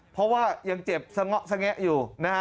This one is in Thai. เพราะว่ายังเจ็บซะเงาะซะแง๊ะอยู่